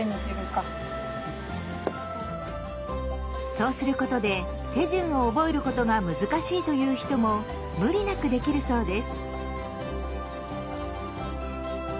そうすることで手順を覚えることが難しいという人も無理なくできるそうです。